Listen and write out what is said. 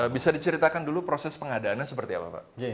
bisa diceritakan dulu proses pengadaannya seperti apa pak